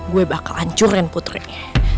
gue bakal hancurin putrinya